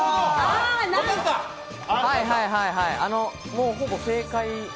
もうほぼ正解。